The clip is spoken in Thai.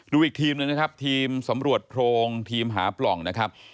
อีกทีมหนึ่งนะครับทีมสำรวจโพรงทีมหาปล่องนะครับ